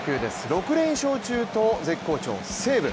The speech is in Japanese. ６連勝中と絶好調、西武。